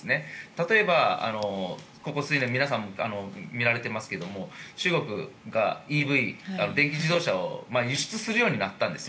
例えば、ここ数年皆さんも見られていますが中国がＥＶ・電気自動車を輸出するようになったんです。